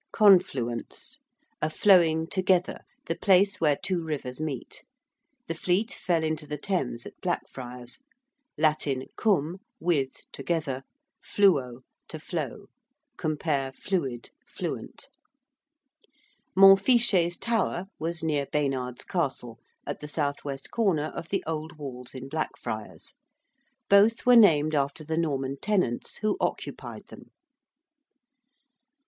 ~confluence~: a flowing together, the place where two rivers meet. The Fleet fell into the Thames at Blackfriars. (Latin cum, with, together; fluo, to flow. Compare, fluid, fluent.) ~Montfichet's Tower~ was near Baynard's Castle, at the south west corner of the old walls in Blackfriars. Both were named after the Norman tenants who occupied them.